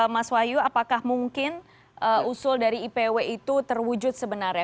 mas wahyu apakah mungkin usul dari ipw itu terwujud sebenarnya